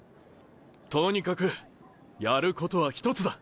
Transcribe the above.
とにかくやることは１つだ。